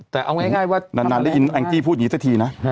แต่เอาง่ายว่านานได้ยินแองจี้พูดอย่างนี้สักทีนะ